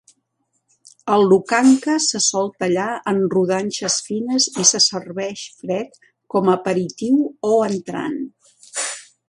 El lukanka se sol tallar en rodanxes fines i se serveix fred com a aperitiu o entrant.